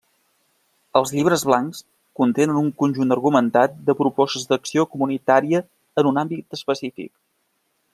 Els llibres blancs contenen un conjunt argumentat de propostes d'acció comunitària en un àmbit específic.